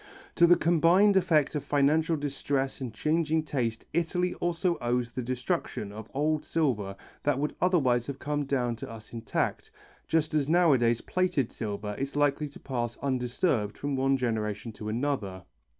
To the combined effect of financial distress and changing taste Italy also owes the destruction of old silver that would otherwise have come down to us intact, just as nowadays plated silver is likely to pass undisturbed from one generation to another.